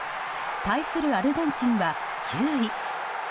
対するアルゼンチンは９位。